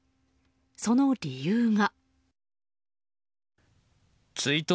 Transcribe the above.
その理由が。